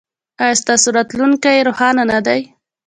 ایا ستاسو راتلونکې روښانه نه ده؟